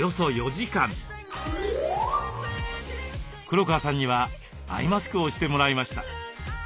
黒川さんにはアイマスクをしてもらいました。